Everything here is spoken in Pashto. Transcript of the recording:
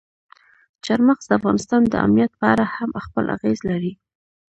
چار مغز د افغانستان د امنیت په اړه هم خپل اغېز لري.